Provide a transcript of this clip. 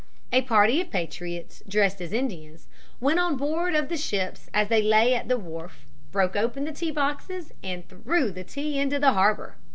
A party of patriots, dressed as Indians, went on board of the ships as they lay at the wharf, broke open the tea boxes, and threw the tea into the harbor.